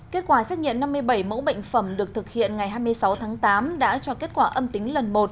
kết quả xét nghiệm năm mươi bảy mẫu bệnh phẩm được thực hiện ngày hai mươi sáu tháng tám đã cho kết quả âm tính lần một